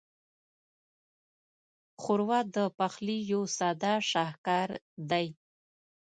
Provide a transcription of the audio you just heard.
ښوروا د پخلي یو ساده شاهکار دی.